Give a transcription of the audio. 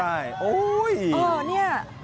ใช่โอ้โฮอ๋อนี่